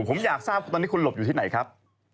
ผมอยากทราบว่าตอนนี้คุณหลบอยู่ที่ไหนครับ